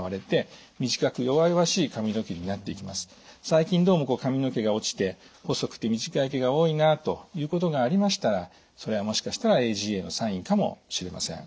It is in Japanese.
最近どうも髪の毛が落ちて細くて短い毛が多いなということがありましたらそれはもしかしたらＡＧＡのサインかもしれません。